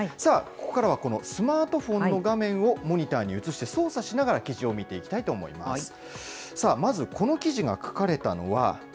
さあ、ここからはこのスマートフォンの画面をモニターに映して、操作しながら記事を見ていきたいと思います。